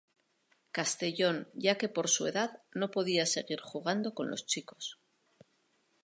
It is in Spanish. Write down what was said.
Castellón ya que, por su edad, no podía seguir jugando con los chicos.